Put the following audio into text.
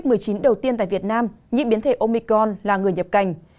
covid một mươi chín đầu tiên tại việt nam nhiễm biến thể omicron là người nhập cảnh